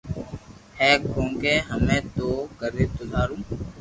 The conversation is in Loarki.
ھي ڪونڪھ ھمي نو ڪري تو ٿارو